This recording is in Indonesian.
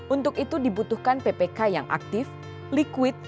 untuk itu dibutuhkan ppk yang aktif liquid